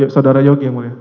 saudara yogi ya mulia